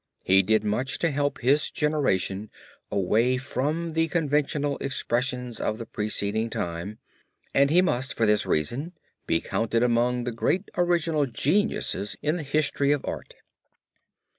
He did much to help his generation away from the conventional expressions of the preceding time and he must for this reason be counted among the great original geniuses in the history of art.